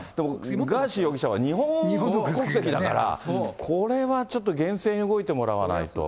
ガーシー容疑者は日本国籍だから、これはちょっと、厳正に動いてもらわないと。